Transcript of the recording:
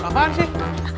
bagaimana itu tuh